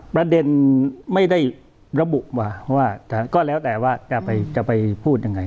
ประเด็นไม่ได้ระบุว่าก็แล้วแต่ว่าจะไปพูดยังไง